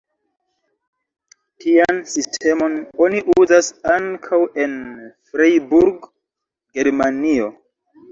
Tian sistemon oni uzas ankaŭ en Freiburg, Germanio.